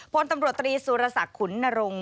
พลตำรวจตรีสุรศักดิ์ขุนนรงค